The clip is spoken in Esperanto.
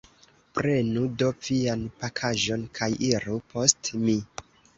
Prenu do vian pakaĵon kaj iru post mi.